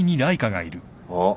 あっ。